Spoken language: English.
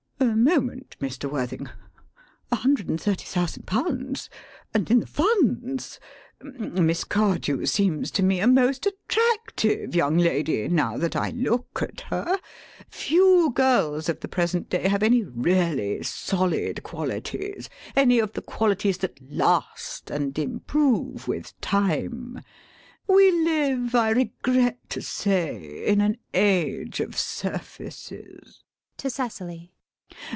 LADY BRACKNELL. [Sitting down again.] A moment, Mr. Worthing. A hundred and thirty thousand pounds! And in the Funds! Miss Cardew seems to me a most attractive young lady, now that I look at her. Few girls of the present day have any really solid qualities, any of the qualities that last, and improve with time. We live, I regret to say, in an age of surfaces. [To Cecily.